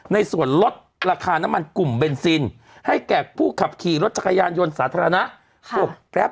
ในส่วนลดราคาน้ำมันกลุ่มเบนซินให้แก่ผู้ขับขี่รถจักรยานยนต์สาธารณะ